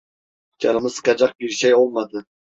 Canımı sıkacak bir şey olmadı.